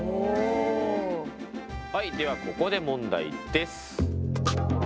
はいではここで問題です。